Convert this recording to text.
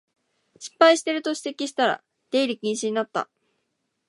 失敗してると指摘したら出入り禁止になった